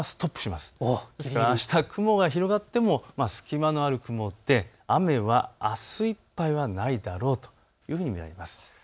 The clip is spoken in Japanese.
ですからあす雲が広がっても隙間のある雲で、雨はあすいっぱいはないだろうと見られます。